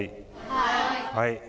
はい。